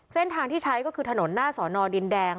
เส้นทางที่ใช้ก็คือถนนหน้าสอนอดินแดง